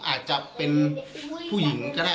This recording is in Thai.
อาจจะเป็นผู้หญิงก็ได้